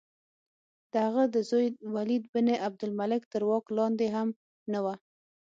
د هغه د زوی ولید بن عبدالملک تر واک لاندې هم نه وه.